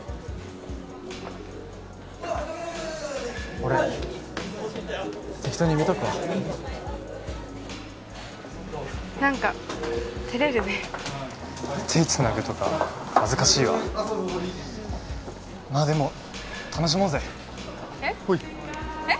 俺適当に見とくわ何か照れるね手つなぐとか恥ずかしいわうんまあでも楽しもうぜえっ？